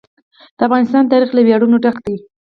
د افغانستان تاریخ له ویاړونو ډک دی.